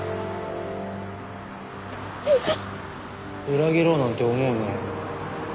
裏切ろうなんて思うなよ。